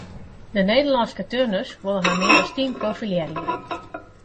De Nederlânske turners wolle har mear as team profilearje.